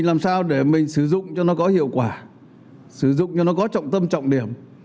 làm sao để mình sử dụng cho nó có hiệu quả sử dụng cho nó có trọng tâm trọng điểm